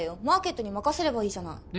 マーケットに任せればいいじゃない。